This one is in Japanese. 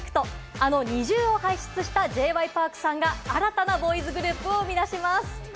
あのＮｉｚｉＵを輩出したＪ．Ｙ．Ｐａｒｋさんが新たなボーイズグループを生み出します。